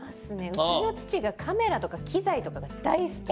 うちの父がカメラとか機材とかが大好きで。